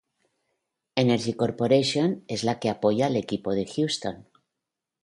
Energy Corporation es la que apoya al equipo de Houston.